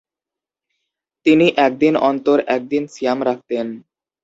তিনি একদিন অন্তর একদিন সিয়াম রাখতেন।